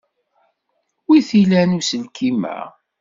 Wi t-ilan uselkim-a?